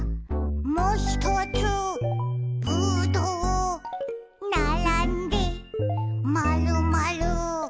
「もひとつぶどう」「ならんでまるまる」